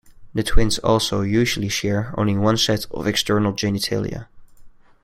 The twins also usually share only one set of external genitalia.